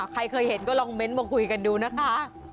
ใครเคยเห็นก็ลองเน้นมาคุยกันดูนะคะ